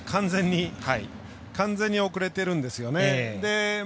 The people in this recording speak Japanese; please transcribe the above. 完全に遅れてるんですよね。